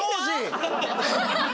アハハハ。